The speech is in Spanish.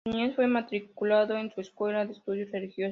En su niñez fue matriculado en una escuela de estudios religiosos.